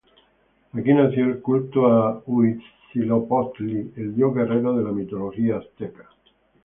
Aquí nació el culto a Huitzilopochtli, el Dios Guerrero de la mitología Azteca.